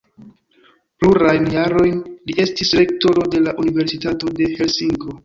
Plurajn jarojn li estis rektoro de la Universitato de Helsinko.